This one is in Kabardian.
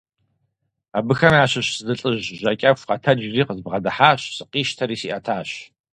Абыхэм ящыщ зы лӀыжь жьакӀэху къэтэджри къызбгъэдыхьащ, сыкъищтэри сиӀэтащ.